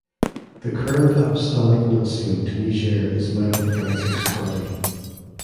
The current Apostolic Nuncio to Niger is Michael Francis Crotty.